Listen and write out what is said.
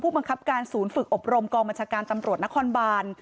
บังคับการศูนย์ฝึกอบรมกองบัญชาการตำรวจนครบาน